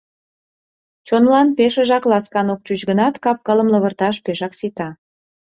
Чонлан пешыжак ласкан ок чуч гынат, кап-кылым лывырташ пешак сита.